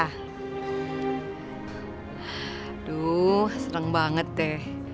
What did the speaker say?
aduh serang banget deh